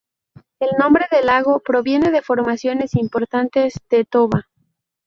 El nombre del lago proviene de formaciones importantes de toba.